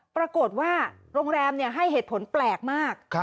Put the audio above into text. ปรากฏว่าโรงแรมให้เหตุผลแปลกมาก